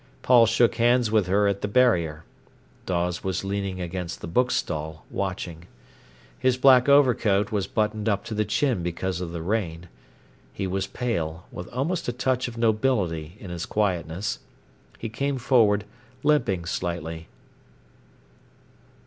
Paul shook hands with her at the barrier. Dawes was leaning against the bookstall, watching. His black overcoat was buttoned up to the chin because of the rain. He was pale, with almost a touch of nobility in his quietness. He came forward, limping slightly.